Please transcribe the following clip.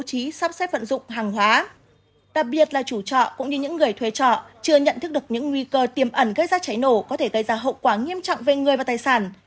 có thể gây ra hậu quả nghiêm trọng về người và tài sản